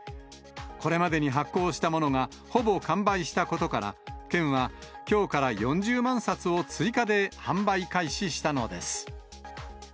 これまでに発行したものがほぼ完売したことから、県は、きょうから４０万冊を追加で販売開始したのです。